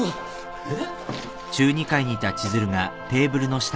えっ。